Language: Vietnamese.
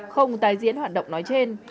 không tái diễn hoạt động nói trên